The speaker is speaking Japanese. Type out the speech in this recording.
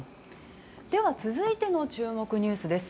では続いての注目ニュースです。